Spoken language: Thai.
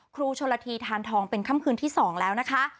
ครูชนละทีทานทองเป็นค่ำคืนที่๒แล้วนะคะ